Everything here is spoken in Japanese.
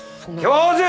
教授！